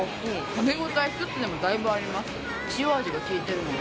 食べ応え一つでもだいぶあります。